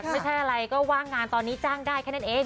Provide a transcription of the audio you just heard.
ไม่ใช่อะไรก็ว่างงานตอนนี้จ้างได้แค่นั้นเอง